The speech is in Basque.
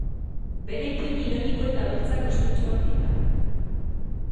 Bere ipuin ironiko eta beltzak ospetsuak dira.